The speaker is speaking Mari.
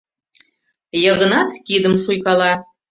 — Йыгнат кидым шуйкала.